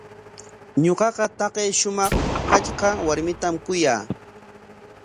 Ñuqaqa taqay shumaq hallqa warmitam kuyaa.